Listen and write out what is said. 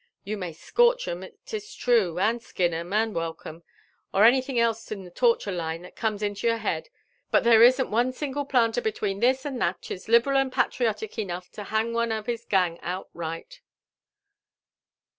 You may scorch 'em, 'tis true, and skin 'em, and welcome, or anything else in the torture line that comes into your head ; but there isn't one single planter between this and Natchez liberal and patriotic enough to hang one of his gang outright."